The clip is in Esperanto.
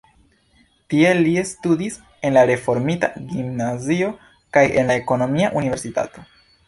Tie li studis en la reformita gimnazio kaj en la ekonomia universitato.